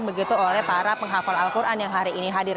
begitu oleh para penghafal al quran yang hari ini hadir